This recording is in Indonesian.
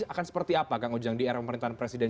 akan seperti apa kang ujang di era pemerintahan presiden